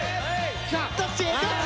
どっち？